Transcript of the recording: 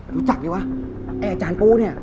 รู้จักดีวะไอ้อาจารย์ปูเนี่ย